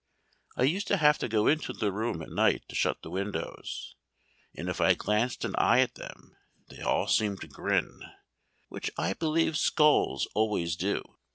I used to have to go into the room at night to shut the windows, and if I glanced an eye at them, they all seemed to grin; which I believe skulls always do.